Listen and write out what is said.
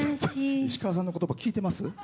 石川さんの言葉聞いてます？